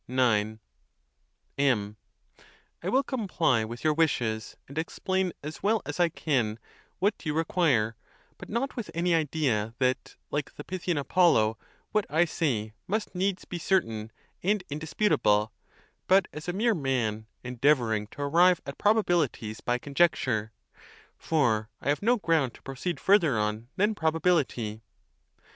1X. MZ. I will comply with your wishes, and explain as well as I can what you require; but not with any idea that, like the Pythian Apollo, what I say must needs be certain and indisputable, but as 2 mere man, endeavoring to arrive at probabilities by conjecture, for I have no ground to proceed further on than probability.